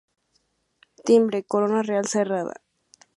Timbre: Corona real cerrada.